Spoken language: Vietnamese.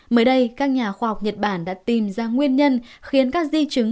mới đây các nhà khoa học nhật bản đã tìm ra nguyên nhân khiến các di chứng